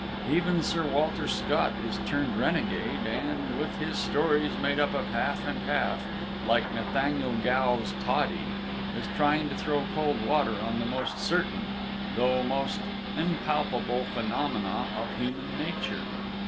Even Sir Walter Scott is turned renegade, and, with his stories made up of half and half, like Nathaniel Gow's toddy, is trying to throw cold water on the most certain, though most impalpable, phenomena of human nature.